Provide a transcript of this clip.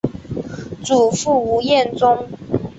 祖父吴彦忠。